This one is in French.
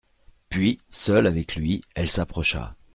Puis, seule avec lui, elle s'approcha.